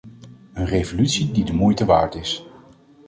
Een revolutie die de moeite waard is!